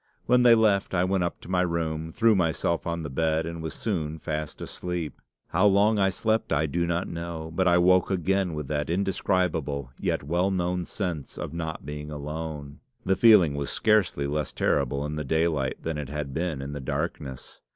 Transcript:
When they left, I went up to my room, threw myself on the bed, and was soon fast asleep. "How long I slept I do not know, but I woke again with that indescribable yet well known sense of not being alone. The feeling was scarcely less terrible in the daylight than it had been in the darkness.